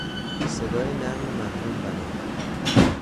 صدای نرم مرحوم بنان